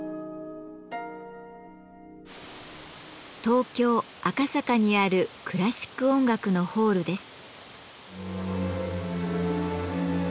東京・赤坂にあるクラシック音楽のホールです。